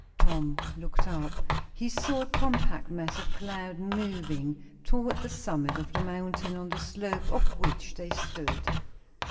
Tom looked up. He saw a compact mass of cloud moving toward the summit of the mountain on the slope of which they stood.